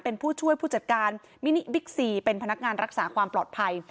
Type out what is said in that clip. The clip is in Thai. เป็นผู้ช่วยผู้จัดการมินิบิ๊กซีเป็นพนักงานรักษาความปลอดภัย